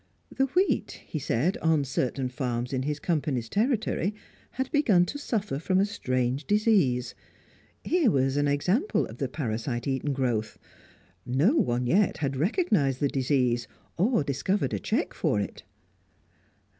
The wheat, he said, on certain farms in his Company's territory had begun to suffer from a strange disease; here was an example of the parasite eaten growth; no one yet had recognised the disease or discovered a check for it.